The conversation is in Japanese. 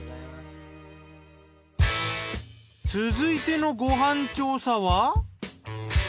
続いてのご飯調査は。